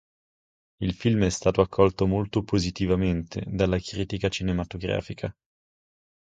Il film è stato accolto molto positivamente dalla critica cinematografica.